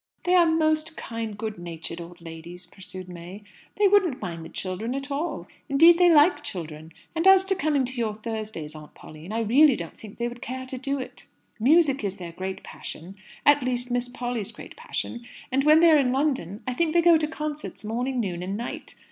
"They are most kind, good natured old ladies," pursued May. "They wouldn't mind the children at all. Indeed, they like children. And as to coming to your Thursdays, Aunt Pauline, I really don't think they would care to do it. Music is their great passion at least, Miss Polly's great passion and when they are in London I think they go to concerts morning, noon, and night.